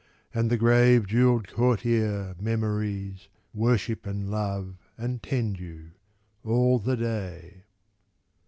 And the grave jewelled courtier Memories Worship and love and tend you, all the day.